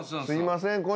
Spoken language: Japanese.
すいません。